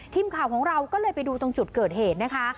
ทีมข่าวของเราก็เลยไปดูตรงจุดเกิดเหตุนะคะ